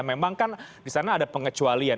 memang kan di sana ada pengecualian